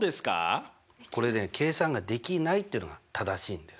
これね「計算ができない」っていうのが正しいんです。